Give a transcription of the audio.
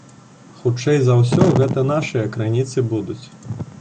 Хутчэй за ўсё гэта нашыя крыніцы будуць.